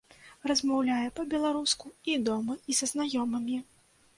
Размаўляе па-беларуску і дома, і са знаёмымі.